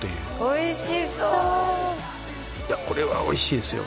おいしそういやこれはおいしいですよ